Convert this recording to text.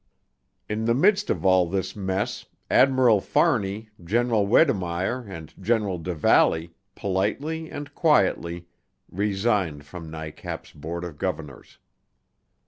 In the midst of all this mess Admiral Fahrney, General Wedemeyer and General del Valle, politely, and quietly, resigned from NICAP's board of governors.